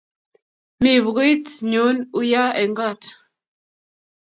Mi pukuit nyu uya eng' kot